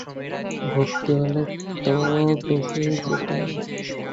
ভক্তি হলে তো বেঁচেই যেতুম।